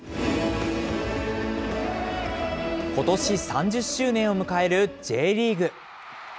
ことし３０周年を迎えるＪリーグ。